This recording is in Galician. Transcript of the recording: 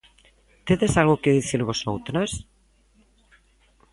¿Tedes algo que dicir vosoutras...?